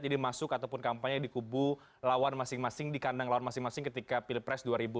jadi masuk ataupun kampanye di kubu lawan masing masing dikandang lawan masing masing ketika pilpres dua ribu empat belas